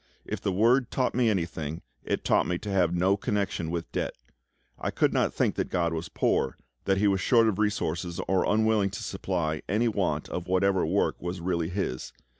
If the Word taught me anything, it taught me to have no connection with debt. I could not think that GOD was poor, that He was short of resources, or unwilling to supply any want of whatever work was really His.